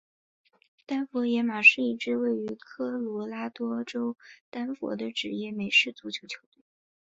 丹佛野马是一支位于科罗拉多州丹佛的职业美式足球球队。